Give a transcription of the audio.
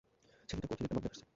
ছেলেটা কঠিন একটা মামলায় ফেঁসেছে।